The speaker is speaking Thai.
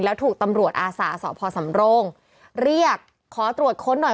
แล้วถูกตำรวจอาสาสพสำโรงเรียกขอตรวจค้นหน่อย